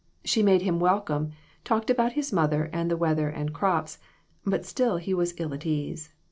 She made him welcome, talked about his mother and the weather and crops, but still he was ill at ease.